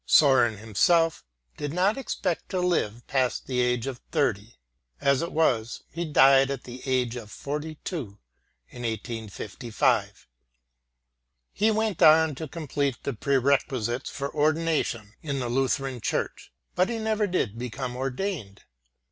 S°ren himself did not expect to live past the age of thirty. (As it was, he died at the age of 42 in 1855.) He went on to complete the prerequisites for ordination in the Lutheran church, but he never did become ordained.